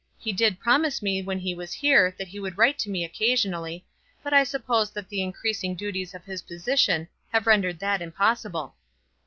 He did promise me when he was here that he would write to me occasionally, but I suppose that the increasing duties of his position have rendered that impossible."